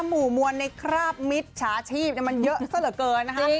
หมู่มวลในคราบมิตรฉาชีพมันเยอะซะเหลือเกินนะคะ